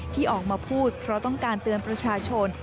ที่ออกมาพูดเพราะต้องการเตือนประชาชน